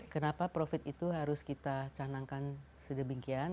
kenapa profit itu harus kita canangkan sedemikian